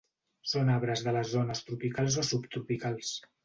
Són arbres de les zones tropicals o subtropicals.